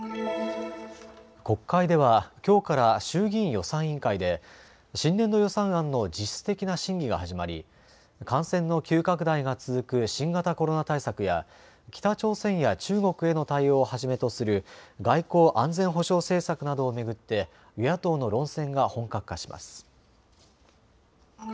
国会ではきょうから衆議院予算委員会で新年度予算案の実質的な審議が始まり感染の急拡大が続く新型コロナ対策や北朝鮮や中国への対応をはじめとする外交・安全保障政策などを巡って与野党の論戦が本格化します。